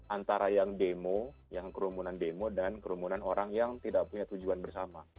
antara yang demo yang kerumunan demo dan kerumunan orang yang tidak punya tujuan bersama